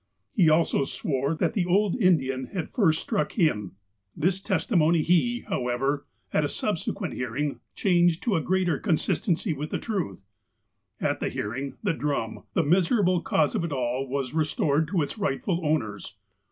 He also swore that the old Indian had first struck him. 276 THE APOSTLE OF ALASKA This testimony he, however, at a subsequent hearing, changed to a greater consistency with the truth. At the hearing, the drum, the miserable cause of it all, was restored to its rightful owners.